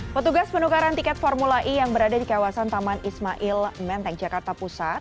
petugas penukaran tiket formula e yang berada di kawasan taman ismail menteng jakarta pusat